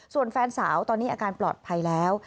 ส่วนแฟนสาวตอนนี้อาการปลอดภัยแล้ว